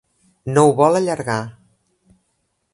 No ho vol allargar.